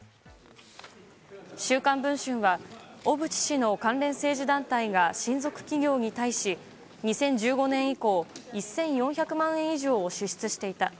「週刊文春」は小渕氏の関連政治団体が親族企業に対し、２０１５年以降１４００万円以上を支出していた。